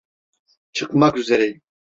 Çıkmak üzereyim.